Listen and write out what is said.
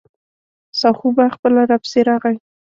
ساهو به خپله راپسې راغی.